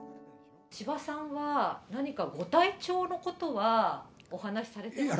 千葉さんは何かご体調のことはお話しされてましたか？